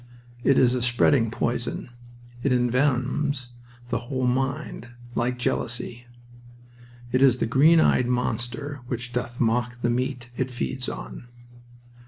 It is a spreading poison. It envenoms the whole mind. Like jealousy. It is the green eyed monster which doth mock the meat it feeds on.